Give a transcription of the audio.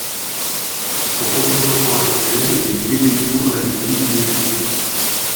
Son représentant actuel est Gebeyaw Alemu Mihretie.